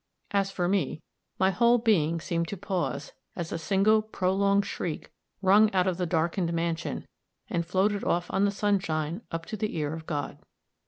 As for me, my whole being seemed to pause, as a single, prolonged shriek rung out of the darkened mansion and floated off on the sunshine up to the ear of God.